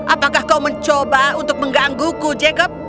apakah kau mencoba untuk menggangguku jacob